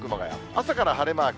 朝から晴れマーク。